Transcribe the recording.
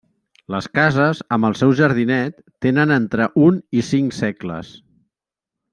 Les cases, amb el seu jardinet, tenen entre un i cinc segles.